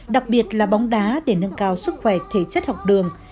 đặc biệt là bóng đá để nâng cao sức khỏe thể chất học đường